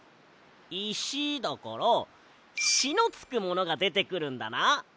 いしだから「し」のつくものがでてくるんだな。